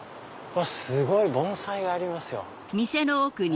すごい！盆栽がありますよ。